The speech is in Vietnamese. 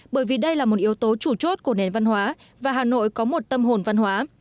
bởi vì đây là một yếu tố chủ chốt của nền văn hóa và hà nội có một tâm hồn văn hóa